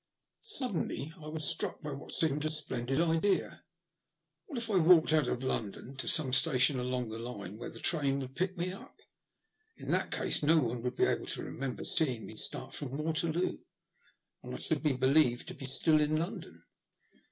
Suddenly I was struck by what seemed a splendid idea. What if I walked out of London to some station along the line where the train would pick me up ? In that case no one would be able to ren; ember seeing me start from Waterloo, and I should be believed to be still in London.